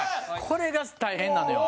これが大変なのよ。